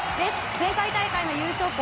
前回大会の優勝校